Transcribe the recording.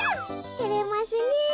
てれますねえ。